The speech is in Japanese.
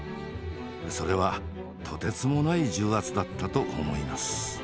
それはとてつもない重圧だったと思います。